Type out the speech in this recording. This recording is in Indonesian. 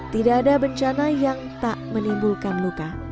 tidak ada bencana yang tak menimbulkan luka